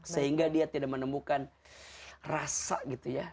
sehingga dia tidak menemukan rasa gitu ya